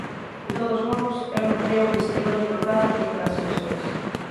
De todos modos, eu non creo que escriba libros raros nin transgresores.